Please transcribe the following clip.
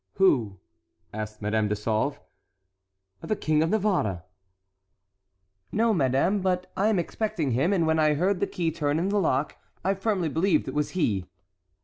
"Who?" asked Madame de Sauve. "The King of Navarre." "No, madame; but I am expecting him, and when I heard the key turn in the lock, I firmly believed it was he."